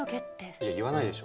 いや言わないでしょ。